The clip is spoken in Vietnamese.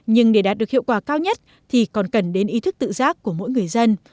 nhưng để đạt được hiệu quả cao nhất thì còn cần đến ý thức tự giác của mỗi người dân